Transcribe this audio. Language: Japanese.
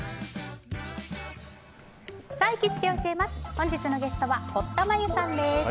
本日のゲストは堀田真由さんです。